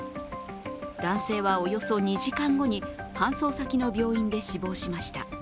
男性はおよそ２時間後に搬送先の病院で死亡しました。